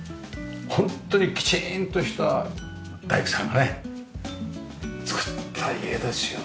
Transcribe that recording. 本当にきちんとした大工さんがねつくった家ですよね。